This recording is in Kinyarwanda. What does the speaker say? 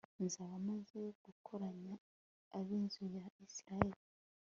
nzaba maze gukoranya ab'inzu ya isirayeli